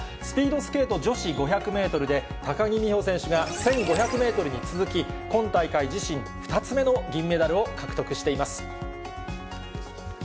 スピードスケート女子５００メートルで、高木美帆選手が１５００メートルに続き今大会自身２つ目の銀メダルを獲得しています。